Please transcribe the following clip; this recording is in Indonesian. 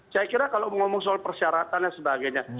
saya kira kalau ngomong soal persyaratan dan sebagainya